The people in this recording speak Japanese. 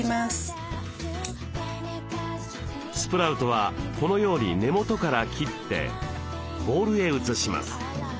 スプラウトはこのように根元から切ってボウルへ移します。